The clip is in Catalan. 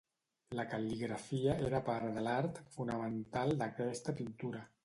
La cal·ligrafia era part de l'art fonamental d'aquesta pintura.